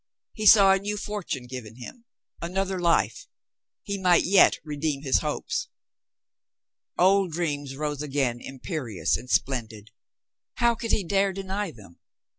He saw a new fortune given him, another life. He might yet re deem his hopes. Old dreams rose again imperious and splendid. How could he dare deny them?